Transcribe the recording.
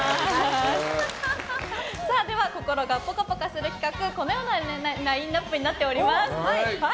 では、心がぽかぽかする企画このようなラインアップになっております。